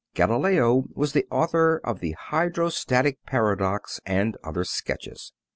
Galileo was the author of the hydrostatic paradox and other sketches.